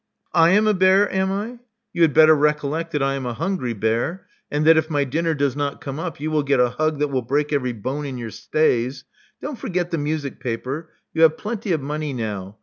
I am a bear, am I? You had better recollect that I am a hungry bear, and that if my dinner does not come up, you will get a hug that will break every bone in your stays. Don't forget the music paper. You have plenty of money now.